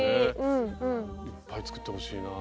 いっぱい作ってほしいなぁ。